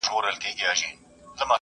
زه هره ورځ ليکنې کوم!